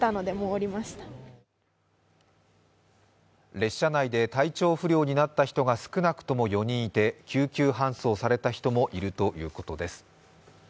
列車内で体調不良になった人が少なくとも４人いて救急搬送された人もいるということです。